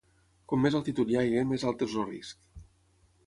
Com més altitud hi hagi, més alt és el risc.